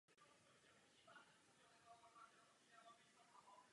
Měl řadu samostatných výstav v Čechách a na Slovensku.